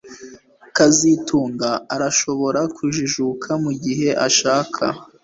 kazitunga arashobora kujijuka mugihe ashaka